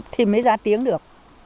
thì mới ra tiếng được